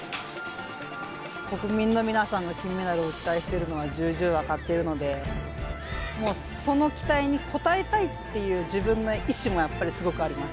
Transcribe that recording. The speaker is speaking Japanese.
国民の皆さんが金メダルを期待しているのはじゅうじゅう分かってるので、もうその期待に応えたいっていう、自分の意思もやっぱりすごくあります。